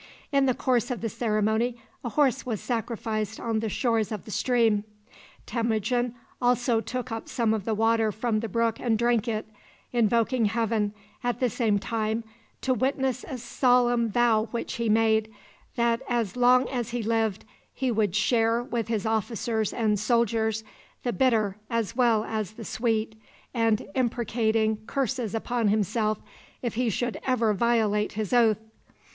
In the course of the ceremony a horse was sacrificed on the shores of the stream. Temujin also took up some of the water from the brook and drank it, invoking heaven, at the same time, to witness a solemn vow which he made, that, as long as he lived, he would share with his officers and soldiers the bitter as well as the sweet, and imprecating curses upon himself if he should ever violate his oath.